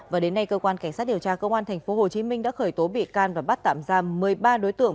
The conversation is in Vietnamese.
và đến nay cơ quan cảnh sát điều tra công an tp hcm đã khởi tố bị can và bắt tạm giam một mươi ba đối tượng